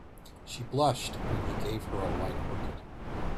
She blushed when he gave her a white orchid.